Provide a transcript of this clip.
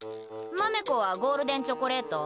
まめこはゴールデンチョコレート？